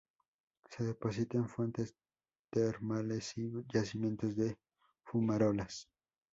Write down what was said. Se deposita en fuentes termales y yacimientos de fumarolas.